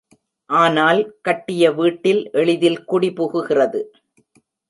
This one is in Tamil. ஆனால் கட்டிய வீட்டில் எளிதில் குடி புகுகிறது.